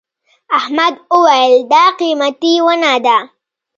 احمد وويل: دا قيمتي ونه ده.